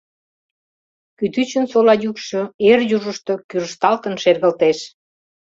Кӱтӱчын сола йӱкшӧ эр южышто кӱрышталтын шергылтеш.